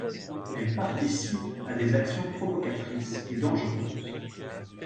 Elle participe à des actions provocatrices et dangereuses.